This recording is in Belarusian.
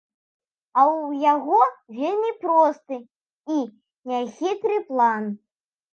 А ў яго вельмі просты і няхітры план.